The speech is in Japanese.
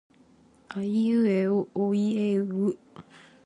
あいうえおあいえおう。